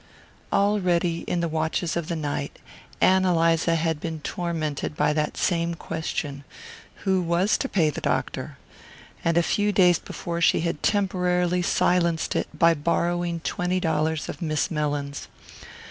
Already, in the watches of the night, Ann Eliza had been tormented by that same question who was to pay the doctor? and a few days before she had temporarily silenced it by borrowing twenty dollars of Miss Mellins.